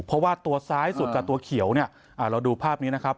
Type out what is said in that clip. เพราะว่าตัวซ้ายสุดกับตัวเขียวเนี่ยเราดูภาพนี้นะครับ